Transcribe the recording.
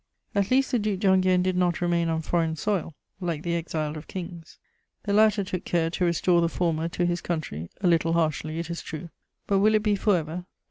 At least the Duc d'Enghien did not remain on foreign soil, like the exiled of kings: the latter took care to restore the former to his country, a little harshly, it is true; but will it be for ever?